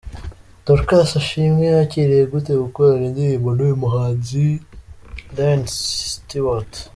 Dorcas Ashimwe yakiriye gute gukorana indirimbo n’uyu muhanzi Iain Stewart ?.